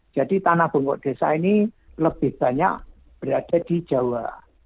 jadi tanah bengkok desa ini lebih banyak berada di jawa